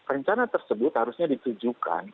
rencana tersebut harusnya ditujukan